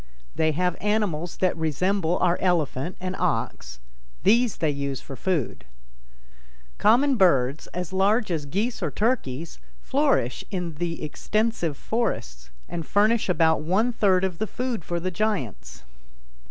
They have animals that resemble our elephant and ox; these they use for food. Common birds, as large as geese or turkeys, flourish in the extensive forests and furnish about one third of the food for the giants.